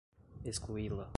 excluí-la